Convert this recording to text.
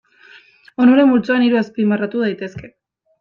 Onuren multzoan hiru azpimarratu daitezke.